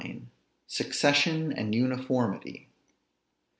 SUCCESSION AND UNIFORMITY.